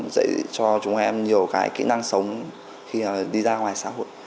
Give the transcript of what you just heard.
dạy cho chúng em nhiều cái kỹ năng sống khi mà đi ra ngoài xã hội